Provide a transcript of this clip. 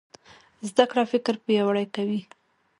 زده کړه فکر پیاوړی کوي.